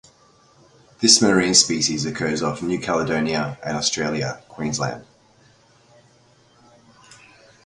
This marine species occurs off New Caledonia and Australia (Queensland).